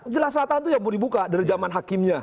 jelas selatan itu ya mau dibuka dari zaman hakimnya